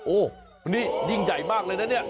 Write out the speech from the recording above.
โอ้โหนี่ยิ่งใหญ่มากเลยนะเนี่ย